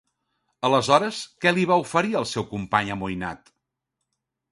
Aleshores, què li va oferir al seu company amoïnat?